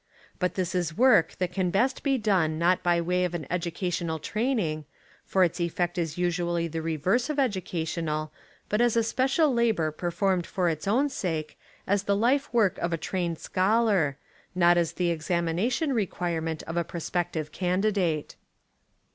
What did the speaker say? But this is work that can best be done not by way of an educational training — for its effect is usually the reverse of edu cational, but as a special labour performed for Its own sake as the life work of a trained schol 84 Literature and Education in America ar, not as the examination requirement of a prospective candidate.